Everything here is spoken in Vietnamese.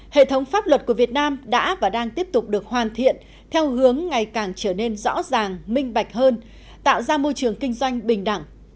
hệ thống pháp luật của việt nam đã và đang tiếp tục được hoàn thiện theo hướng ngày càng trở nên rõ ràng minh bạch hơn tạo ra môi trường kinh doanh bình đẳng